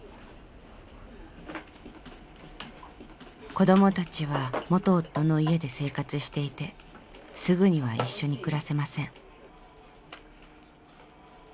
子どもたちは元夫の家で生活していてすぐには一緒に暮らせません。